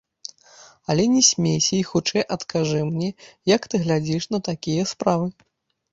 Але не смейся і хутчэй адкажы мне, як ты глядзіш на такія справы.